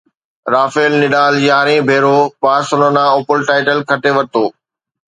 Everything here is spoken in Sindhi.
رافيل نڊال يارهين ڀيرو بارسلونا اوپن ٽائيٽل کٽي ورتو